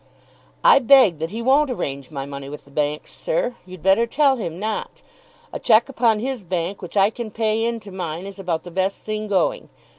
"I beg that he won't arrange my money with the banks, sir. You'd better tell him not. A cheque upon his bank which I can pay in to mine is about the best thing going.